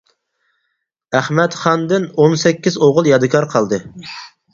ئەخمەت خاندىن ئون سەككىز ئوغۇل يادىكار قالدى.